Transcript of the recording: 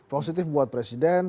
positif buat presiden